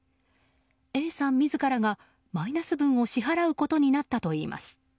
Ａさん自らがマイナス分を支払うことになったといいます。